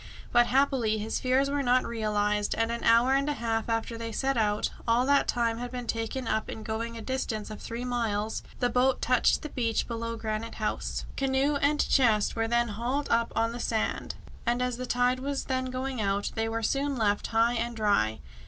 But happily his fears were not realised, and an hour and a half after they set out all that time had been taken up in going a distance of three miles the boat touched the beach below Granite House. Canoe and chest were then hauled up on the sand, and as the tide was then going out, they were soon left high and dry.